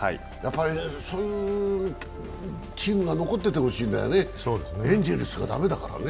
そういうチームが残っててほしいんだよね、エンゼルスが駄目だからね。